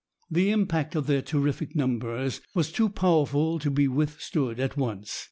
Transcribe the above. The impact of their terrific numbers was too powerful to be withstood at once.